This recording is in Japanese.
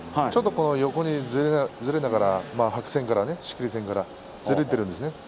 横にずれながら白線から仕切り線からずれてたんですね。